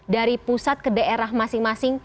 dari pusat ke daerah masing masing